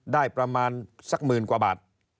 ได้ประมาณสักหมื่นกว่าบาท